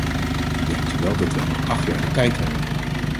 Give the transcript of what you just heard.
Bedenkt u wel dat wij nog acht jaar de tijd hebben.